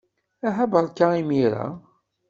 Aha, beṛka imir-a.